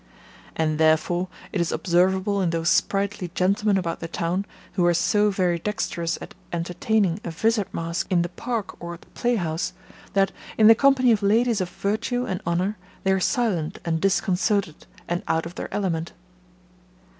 And, therefore, it is observable in those sprightly gentlemen about the town, who are so very dexterous at entertaining a vizard mask in the park or the playhouse, that, in the company of ladies of virtue and honour, they are silent and disconcerted, and out of their element.